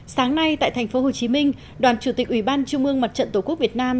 sáng nay tại tp hcm đoàn chủ tịch ủy ban trung ương mặt trận tổ quốc việt nam